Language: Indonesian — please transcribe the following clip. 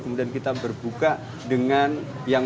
kemudian kita berbuka dengan yang